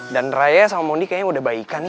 dan raya sama mondi kayaknya udah baikan nih